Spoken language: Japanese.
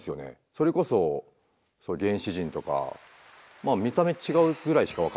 それこそ原始人とか見た目違うくらいしか分かんないですけども